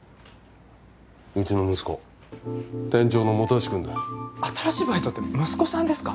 うちの息子店長の本橋くんだ新しいバイトって息子さんですか？